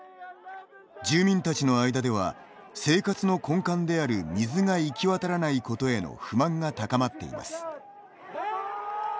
住民たちの間では生活の根幹である水が行き渡らないことへの不満が高まっています。